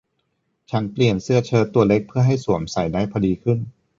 ฉันเปลี่ยนเสื้อเชิ้ตตัวเล็กเพื่อให้สวมใส่ได้พอดีขึ้น